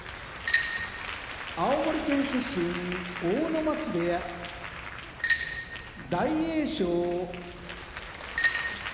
青森県出身阿武松部屋大栄翔埼玉県出身